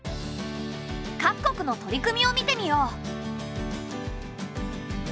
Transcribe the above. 各国の取り組みを見てみよう。